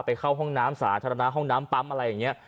เข้าห้องน้ำสาธารณะห้องน้ำปั๊มอะไรอย่างนี้